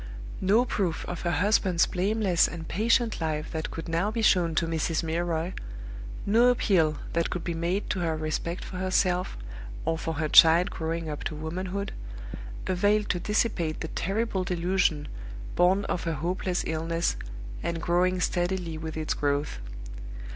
No proof of her husband's blameless and patient life that could now be shown to Mrs. Milroy; no appeal that could be made to her respect for herself, or for her child growing up to womanhood, availed to dissipate the terrible delusion born of her hopeless illness, and growing steadily with its growth.